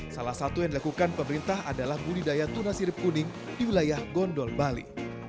salah satu yang dilakukan pemerintah adalah budidaya tuna sirip kuning di wilayah gondol bali